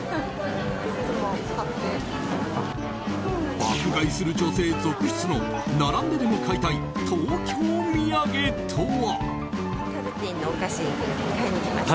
爆買いする女性続出の並んででも買いたい東京土産とは？